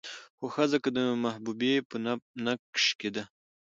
خو ښځه که د محبوبې په نقش کې ده